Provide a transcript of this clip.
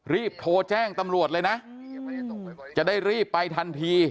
รีบโทรแจ้งตำรวจเลยนะจะได้รีบไปทันที